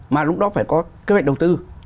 mà lúc đó phải có cái mạch đầu tư